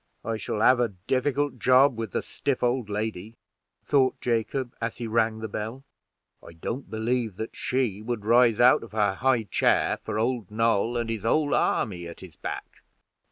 "I shall have a difficult job with the stiff old lady," thought Jacob, as be rung the bell; "I don't believe that she would rise out of her high chair for old Noll and his whole army at his back.